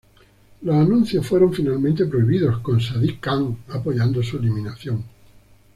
Los anuncios fueron finalmente prohibidos, con Sadiq Khan apoyando su eliminación.